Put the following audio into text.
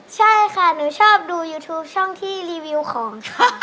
ใช่ค่ะหนูชอบดูยูทูปช่องที่รีวิวของค่ะ